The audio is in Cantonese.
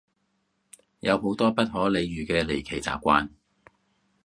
有好多不可理喻嘅離奇習慣